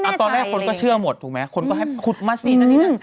ตอนแรกคุณก็เชื่อหมดถูกไหมคุณก็ให้คุดมาสี่นั่นเนี่ย